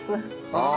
ああ。